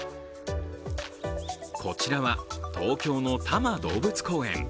こちらは東京の多摩動物公園。